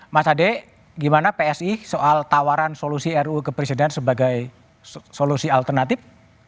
mas ade gimana psi soal tawaran solusi ruu kepresiden sebagai solusi alternatif